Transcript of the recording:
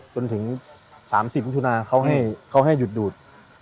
ต้นถึงสามสิบชุนาเขาให้เขาให้หยุดดูด